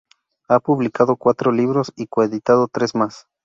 Ha publicado cuatro libros y coeditado tres más.